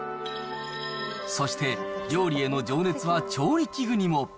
そして料理への情熱は調理器具にも。